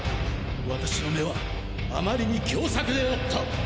私の眼はあまりに狭窄であった。